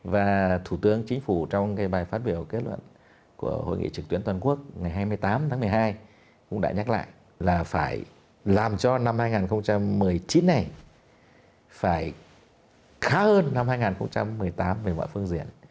và thủ tướng chính phủ trong bài phát biểu kết luận của hội nghị trực tuyến toàn quốc ngày hai mươi tám tháng một mươi hai cũng đã nhắc lại là phải làm cho năm hai nghìn một mươi chín này phải khá hơn năm hai nghìn một mươi tám về mọi phương diện